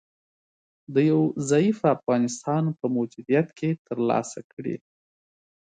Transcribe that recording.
د یو ضعیفه افغانستان په موجودیت کې تر لاسه کړي